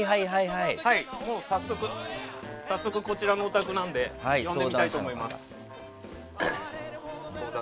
早速、こちらのお宅なので呼んでみたいと思います。